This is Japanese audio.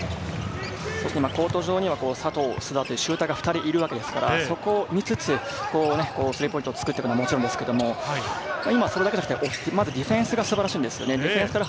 今、コート上には佐藤、須田とシューターが２人いますから、そこを見つつ、スリーポイントを作っていくのはもちろん、でもそれだけでなく、ディフェンスが素晴らしいですね。